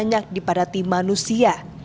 banyak dipadati manusia